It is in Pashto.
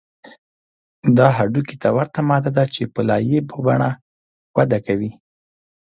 دا هډوکي ته ورته ماده ده چې په لایې په بڼه وده کوي